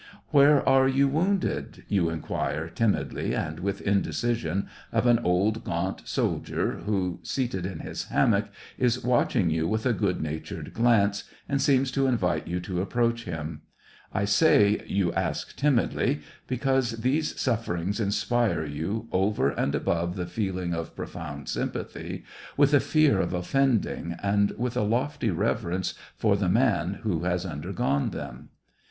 Where are you wounded }" you inquire, tim idly and with indecision, of an old, gaunt soldier, who, seated in his hammock, is watching you with a good natured glance, and seems to invite you to approach him. I say " you ask timidly," because these sufferings inspire you, over and above the feeling of profound sympathy, with a fear of offending and with a lofty reverence for the man who has undergone them.